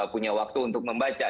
punya waktu untuk membaca